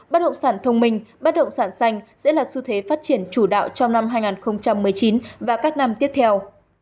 bất động sản thông minh bất động sản xanh sẽ là xu thế phát triển chủ đạo trong năm hai nghìn một mươi chín và các năm tiếp theo